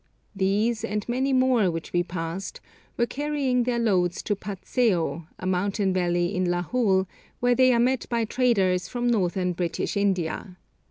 These, and many more which we passed, were carrying their loads to Patseo, a mountain valley in Lahul, where they are met by traders from Northern British India.